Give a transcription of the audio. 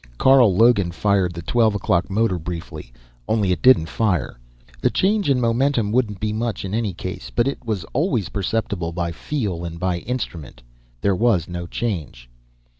Carl Logan fired the twelve o'clock motor briefly only it didn't fire. The change in momentum wouldn't be much in any case, but it was always perceptible by feel and by instrument. There was no change.